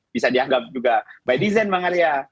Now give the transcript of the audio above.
bisa dianggap juga by design bang arya